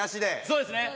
そうですね。